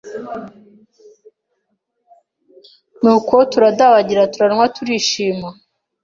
n’uko turadabagira turanywa turishima.